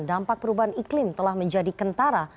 dampak perubahan iklim telah menjadi kentara